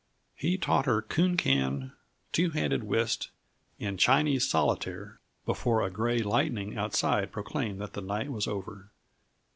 He taught her coon can, two handed whist and Chinese solitaire before a gray lightening outside proclaimed that the night was over.